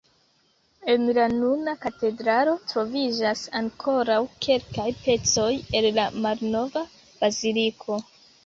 En la nuna katedralo troviĝas ankoraŭ kelkaj pecoj el la malnova baziliko.